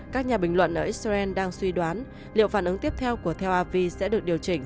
các nhà bình luận ở israel đang suy đoán liệu phản ứng tiếp theo của tel avi sẽ được điều chỉnh